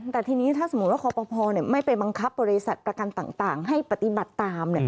แต่ทีนี้ถ้าสมมุติว่าคอปภไม่ไปบังคับบริษัทประกันต่างให้ปฏิบัติตาม